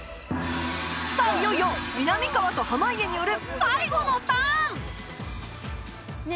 さあいよいよみなみかわと濱家による最後のターンねえ